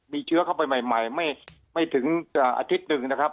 มีเชื้อเข้าไปใหม่ไม่ถึงอาทิตย์หนึ่งนะครับ